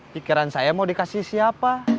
pikiran saya mau dikasih siapa